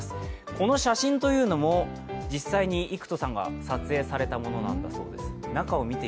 この写真というのも、実際に郁仁さんが撮影されたものなんです。